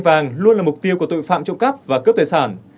kinh doanh vàng luôn là mục tiêu của tội phạm trộm cắp và cướp tài sản